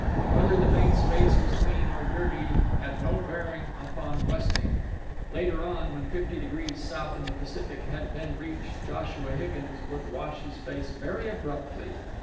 Whether the mate's face was clean or dirty had no bearing upon westing. Later on, when 50° south in the Pacific had been reached, Joshua Higgins would wash his face very abruptly.